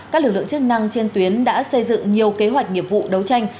các lực lượng chức năng trên tuyến đã xây dựng nhiều kế hoạch nghiệp vụ đấu tranh